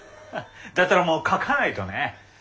だったらもう書かないとね。